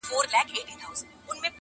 هم نسترن هم یې چینار ښکلی دی؛